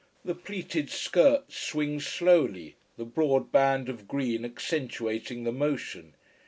The pleated skirts swing slowly, the broad band of green accentuating the motion.